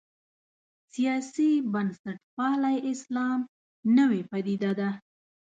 سیاسي بنسټپالی اسلام نوې پدیده ده.